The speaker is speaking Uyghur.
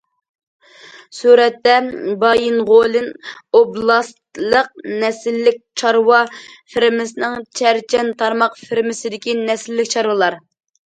سۈرەتتە: بايىنغولىن ئوبلاستلىق نەسىللىك چارۋا فېرمىسىنىڭ چەرچەن تارماق فېرمىسىدىكى نەسىللىك چارۋىلار.